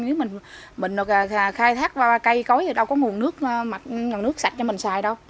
nếu mình khai thác cây cối thì đâu có nguồn nước sạch cho mình xài đâu